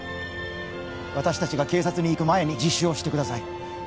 私達が警察に行く前に自首をしてください